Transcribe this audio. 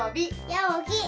やおき！